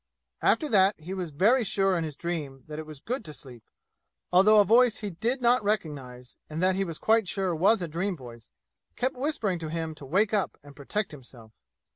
After that he was very sure in his dream that it was good to sleep, although a voice he did not recognize and that he was quite sure was a dream voice, kept whispering to him to wake up and protect himself.